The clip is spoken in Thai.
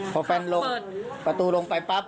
พอแฟนลงประตูลงไปปั๊บ